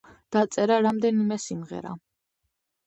დაწერა რამდენიმე სიმღერა.